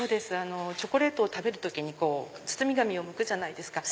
チョコレートを食べる時に包み紙をむくじゃないですか。